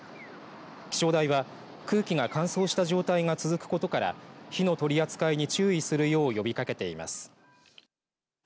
気象台は空気が乾燥した状態が続くことから火の取り扱いに注意するよう呼びかけています。